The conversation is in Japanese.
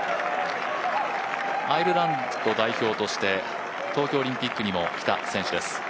アイルランド代表として東京オリンピックにも来た選手です。